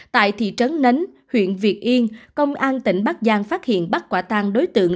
tại thị trấn nánh huyện việt yên công an tỉnh bắc giang phát hiện bắt quả tăng đối tượng